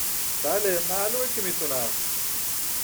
بله، معلومه که میتونم